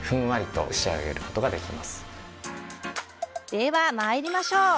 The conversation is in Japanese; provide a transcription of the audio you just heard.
では、まいりましょう。